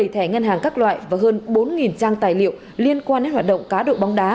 một mươi thẻ ngân hàng các loại và hơn bốn trang tài liệu liên quan đến hoạt động cá độ bóng đá